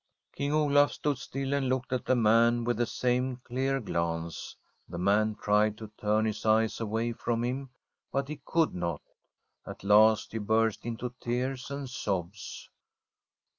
Kinc: Olaf stood still, and looked at the man vhh the same dear glance; the man tried to irrs bis eyes awav from him, but he could not. A: lasi he burst into tears and sobs.